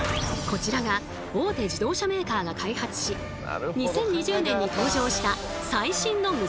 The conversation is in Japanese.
こちらが大手自動車メーカーが開発し２０２０年に登場した最新のムササビスーツ。